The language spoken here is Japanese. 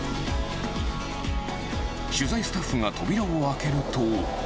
取材スタッフが扉を開けると。